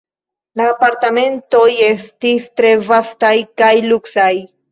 La apartamentoj estis tre vastaj kaj luksaj.